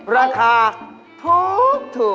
ราคาถูก